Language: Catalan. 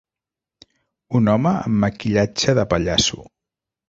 Un home amb maquillatge de pallasso.